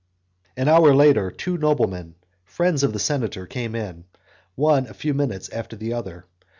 An hour later, two noblemen, friends of the senator, came in, one a few minutes after the other.